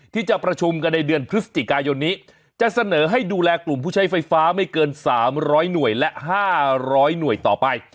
ที่จะประชุมกันในเดือนพฤศจิกายนนี้จะเสนอให้ดูแลกลุ่มผู้ใช้ไฟฟ้าไม่เกิน๓๐๐หน่วยและ๕๐๐หน่วยต่อไป